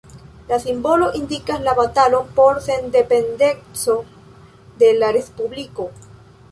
La simbolo indikas la batalon por sendependeco de la respubliko.